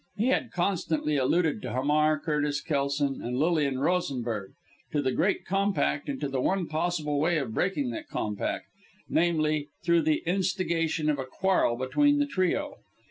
He had constantly alluded to Hamar, Curtis, Kelson and Lilian Rosenberg; to the great compact, and to the one possible way of breaking that compact namely through the instigation of a quarrel between the trio.